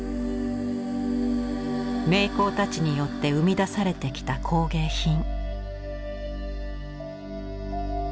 名工たちによって生み出されてきた工芸品。